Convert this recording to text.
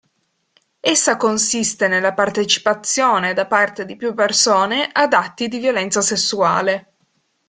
Essa consiste nella partecipazione, da parte di più persone ad atti di violenza sessuale.